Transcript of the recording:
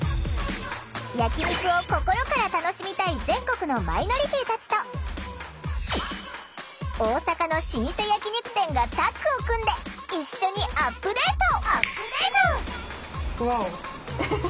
焼き肉を心から楽しみたい全国のマイノリティーたちと大阪の老舗焼き肉店がタッグを組んで一緒にアップデート！